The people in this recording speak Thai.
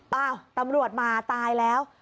อ้าวตำรวจมาตายแล้ว